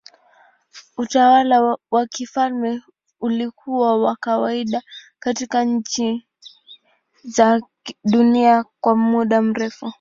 Utawala wa kifalme ulikuwa wa kawaida katika nchi nyingi za dunia kwa muda mrefu.